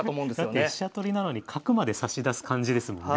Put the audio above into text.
だって飛車取りなのに角まで差し出す感じですもんね。